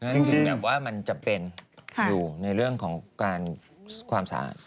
จริงแบบว่ามันจะเป็นอยู่ในเรื่องของการความสะอาด